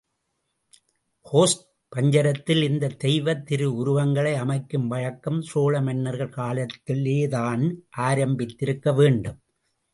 கோஷ்ட பஞ்சரத்திலே இந்தத் தெய்வத்திருஉருவங்களை அமைக்கும் வழக்கம் சோழ மன்னர்கள் காலத்திலேதான் ஆரம்பித்திருக்க வேண்டும்.